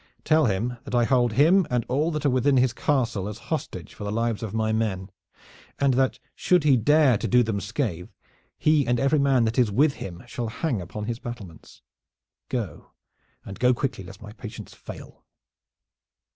Tell him that I hold him and all that are within his castle as hostage for the lives of my men, and that should he dare to do them scathe he and every man that is with him shall hang upon his battlements. Go, and go quickly, lest my patience fail."